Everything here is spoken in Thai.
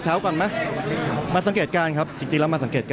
แล้วก็มาเป็นกำลังใจให้กันบุคคลด้วย